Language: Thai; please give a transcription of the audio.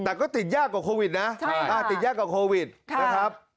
แต่ก็ติดยากกว่าโควิดนะติดยากกว่าโควิดนะครับ